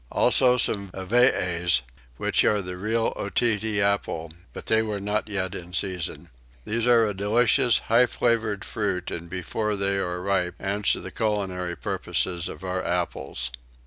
Also some Avees, which are the real Otaheite apple; but they were not yet in season. These are a delicious high flavoured fruit and before they are ripe answer the culinary purposes of our apples.